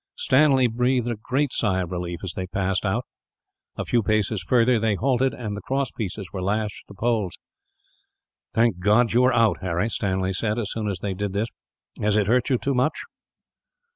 Stanley breathed a great sigh of relief, as they passed out. A few paces further they halted, and the cross pieces were lashed to the poles. "Thank God that you are out, Harry!" Stanley said, as soon as they did this. "Has it hurt you much?"